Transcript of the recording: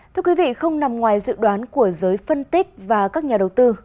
thưa quý vị không nằm ngoài dự đoán của giới phân tích và các nhà đầu tư